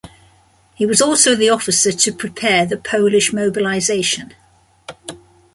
He was also the officer to prepare the Polish mobilization.